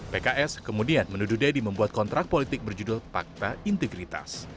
pks kemudian menuduh deddy membuat kontrak politik berjudul pakta integritas